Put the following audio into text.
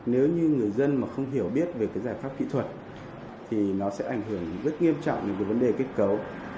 nếu như người dân mà không hiểu biết về cái giải pháp kỹ thuật thì nó sẽ ảnh hưởng rất nghiêm trọng đến cái vấn đề kết cấu